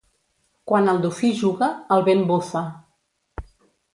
Quan el dofí juga, el vent bufa.